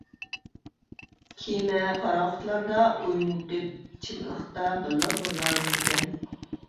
كېمە، پاراخوتلاردا ئوينىتىپ، چىملىقتا بىللە غىزالىنىدىكەن.